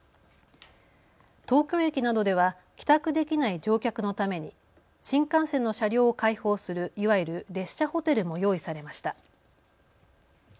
東京駅などでは帰宅できない乗客のために新幹線の車両を開放する、いわゆる列車ホテルも用意されました。